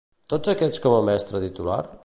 Tots aquests com a mestra titular?